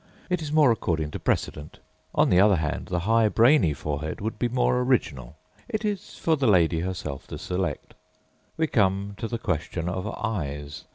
It is more according to precedent. On the other hand, the high brainy forehead would be more original. It is for the lady herself to select. We come to the question of eyes.